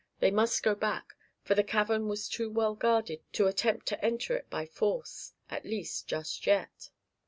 They must go back, for the cavern was too well guarded to attempt to enter it by force at least just yet.